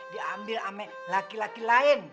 diambil sama laki laki lain